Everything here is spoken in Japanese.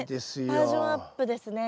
バージョンアップですね